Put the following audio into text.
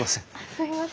すいません。